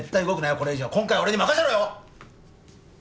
これ以上今回は俺に任せろよ！